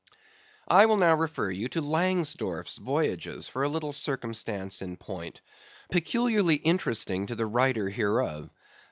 I will now refer you to Langsdorff's Voyages for a little circumstance in point, peculiarly interesting to the writer hereof.